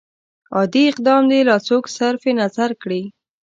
عادي اقدام دې لا څوک صرف نظر کړي.